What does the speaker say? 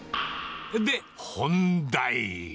で、本題。